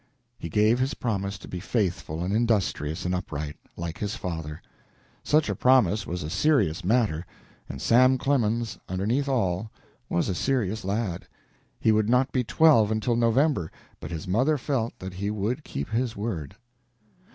He gave his promise to be faithful and industrious and upright, like his father. Such a promise was a serious matter, and Sam Clemens, underneath all, was a serious lad. He would not be twelve until November, but his mother felt that he would keep his word.